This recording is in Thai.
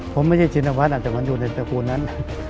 ผมไม่ใช่ชินวัฒน์อาจจะมาอยู่ในตระกูลนั้น